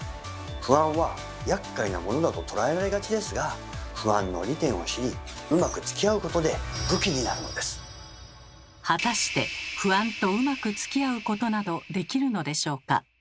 不安はやっかいなものだと捉えられがちですが不安の利点を知りうまくつきあうことで果たして不安とうまくつきあうことなどできるのでしょうか？